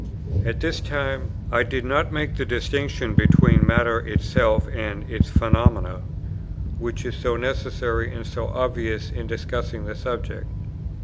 At this time I did not make the distinction between matter itself and its phenomena, which is so necessary and so obvious in discussing the subject.